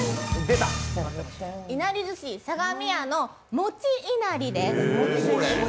いなり寿司相模屋の餅いなりです。